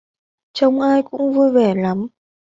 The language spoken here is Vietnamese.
Trông ai cũng vui vẻ lắm